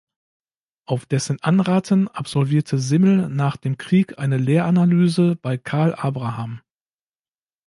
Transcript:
Auf dessen Anraten absolvierte Simmel nach dem Krieg eine Lehranalyse bei Karl Abraham.